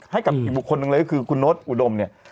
ให้กับอีกบุคคลหนึ่งเลยก็คือคุณโน๊ตอุดมเนี่ย